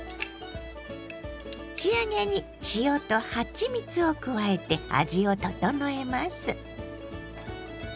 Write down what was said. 仕上げに塩とはちみつを加えて味を調えます。